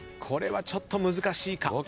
これはちょっと難しいか？